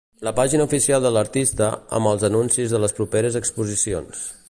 La pàgina oficial de l'artista, amb els anuncis de les properes exposicions.